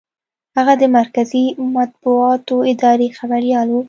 هغه د مرکزي مطبوعاتي ادارې خبریال و.